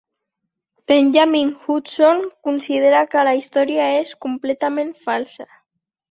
Benjamin Hudson considera que la història és "completament falsa".